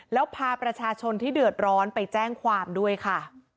แล้วพาประชาชนที่เดือดร้อนไปแจ้งความด้วยค่ะ